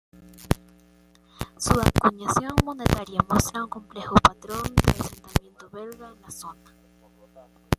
Su acuñación monetaria muestra un complejo patrón de asentamiento belga en la zona.